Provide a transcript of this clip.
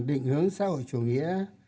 định hướng xã hội chủ nghĩa